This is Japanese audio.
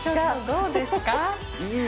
どうですか？